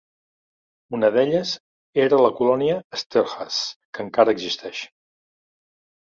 Una d'elles era la colònia Esterhaz, que encara existeix.